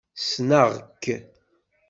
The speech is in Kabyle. Ssneɣ-k.